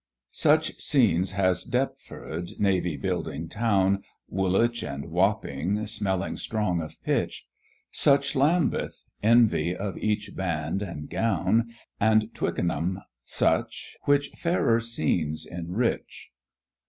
Such scenes has Deptford, navy building town, Woolwich and Wapping, smelling strong of pitch; Such Lambeth, envy of each band and gown, And Twickenham such, which fairer scenes enrich.